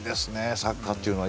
サッカーというのは。